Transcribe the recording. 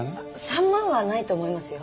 ３万はないと思いますよ。